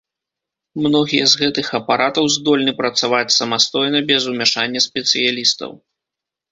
Многія з гэтых апаратаў здольны працаваць самастойна без умяшання спецыялістаў.